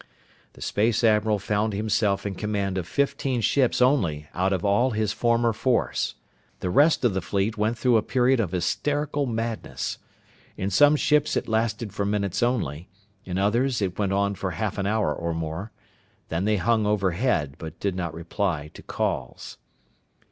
The space admiral found himself in command of fifteen ships only out of all his former force. The rest of the fleet went through a period of hysterical madness. In some ships it lasted for minutes only. In others it went on for half an hour or more. Then they hung overhead, but did not reply to calls.